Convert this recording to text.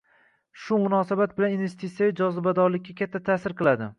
shu munosabat bilan investitsiyaviy jozibadorlikka katta ta’sir qiladi.